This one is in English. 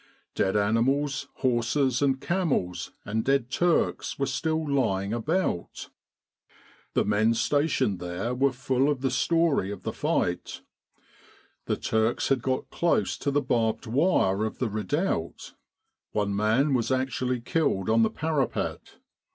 Dead animals, horses and camels, and dead Turks were still lying 96 Kantara and Katia about. The men stationed there were full of the story of the fight. The Turks had got close to the barbed wire of the redoubt : one man was actually killed on the parapet.